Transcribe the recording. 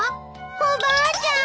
おばあちゃん！